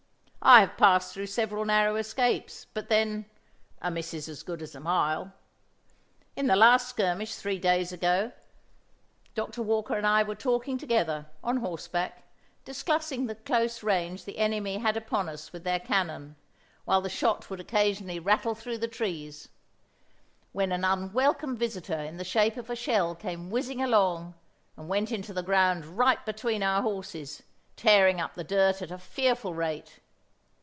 I have passed through several narrow escapes, but then 'a miss is as good as a mile.' In the last skirmish three days ago, Dr. Walker and I were talking together, on horseback, discussing the close range the enemy had upon us with their cannon, while the shot would occasionally rattle through the trees, when an unwelcome visitor in the shape of a shell came whizzing along, and went into the ground right between our horses, tearing up the dirt at a fearful rate.